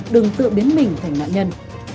đừng tự biến mình thành nạn nhân